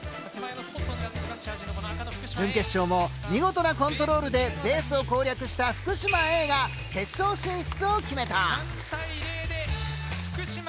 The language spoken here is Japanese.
準決勝も見事なコントロールでベースを攻略した福島Ａが決勝進出を決めた。